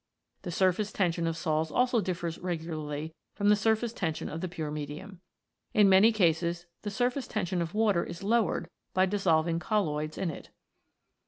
The surface tension of sols also differs regularly from the surface tension of the pure medium. In many cases the surface tension of water is lowered by dissolving colloids in it.